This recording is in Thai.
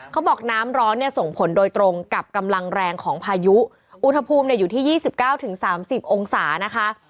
เขาบอกน้ำร้อนเนี่ยส่งผลโดยตรงกับกำลังแรงของพายุอุณหภูมิเนี่ยอยู่ที่๒๙๓๐องศานะคะ